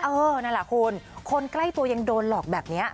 เออนั่นแหละคุณคนใกล้ตัวยังโดนหลอกแบบนี้